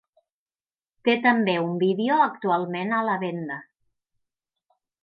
Té també un vídeo actualment a la venda.